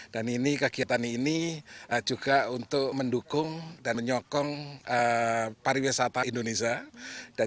dan ini kegiatan ini juga untuk mendukung dan menyokong pariwisata indonesia